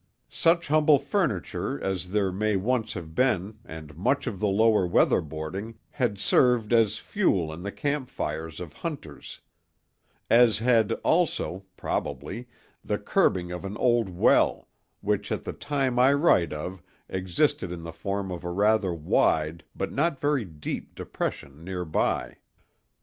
Such humble furniture as there may once have been and much of the lower weatherboarding, had served as fuel in the camp fires of hunters; as had also, probably, the curbing of an old well, which at the time I write of existed in the form of a rather wide but not very deep depression near by.